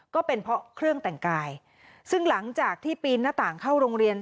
ก็เป็นเพราะเครื่องแต่งกายซึ่งหลังจากที่ปีนหน้าต่างเข้าโรงเรียน